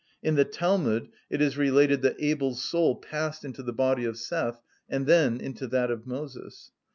In the Talmud it is related that Abel's soul passed into the body of Seth, and then into that of Moses.